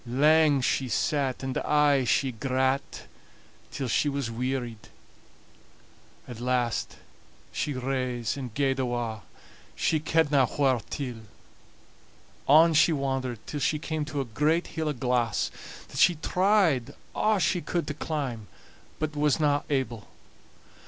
Lang she sat, and aye she grat, till she wearied. At last she rase and gaed awa', she kedna whaur till. On she wandered till she came to a great hill o' glass, that she tried a' she could to climb, bat wasna able.